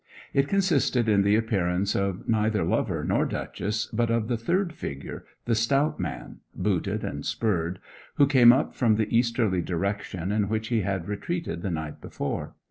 It consisted in the appearance of neither lover nor Duchess, but of the third figure the stout man, booted and spurred who came up from the easterly direction in which he had retreated the night before.